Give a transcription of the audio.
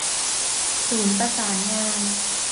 ศูนย์ประสานงาน